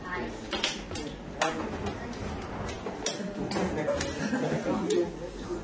เพื่อรูปดาว